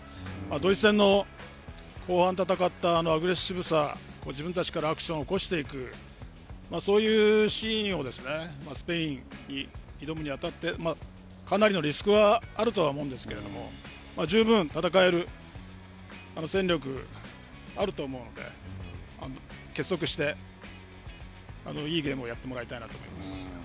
ドイツ戦の後半、戦ったあのアグレッシブさ、自分たちからアクションを起こしていく、そういうシーンをですね、スペインに挑むに当たってかなりのリスクはあるとは思うんですけれども、十分戦える戦力があると思うので、結束して、いいゲームをやってもらいたいなと思います。